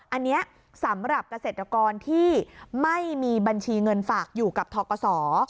อันนี้สำหรับเกษตรกรที่ไม่มีบัญชีเงินฝากอยู่กับทกศ